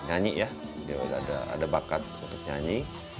ada bakat untuk nyanyi